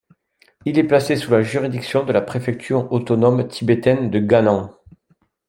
Il est placé sous la juridiction de la préfecture autonome tibétaine de Gannan.